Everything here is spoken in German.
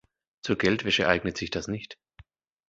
Zur Geldwäsche eignet sich das nicht.